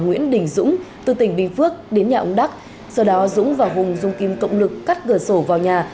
nguyễn đình dũng từ tỉnh bình phước đến nhà ông đắc sau đó dũng và hùng dùng kim cộng lực cắt cửa sổ vào nhà